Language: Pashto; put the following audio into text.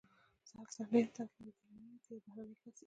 زه افسر نه یم، ته اصلاً ایټالوی نه یې، ته یو بهرنی کس یې.